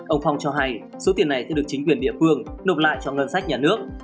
ông phong cho hay số tiền này sẽ được chính quyền địa phương nộp lại cho ngân sách nhà nước